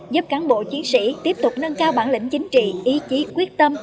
giúp cán bộ chiến sĩ tiếp tục nâng cao bản lĩnh chính trị ý chí quyết tâm